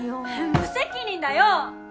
無責任だよ！